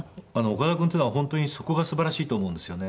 岡田君っていうのは本当にそこがすばらしいと思うんですよね。